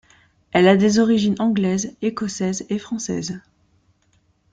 Elle a des origines anglaises, écossaises et françaises.